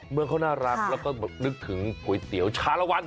เมืองเขาน่ารักแล้วก็นึกถึงก๋วยเตี๋ยวชาลวัน